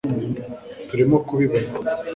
turimo kubibona